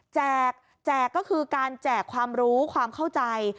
แจกก็คือการแจกความรู้ความเข้าใจ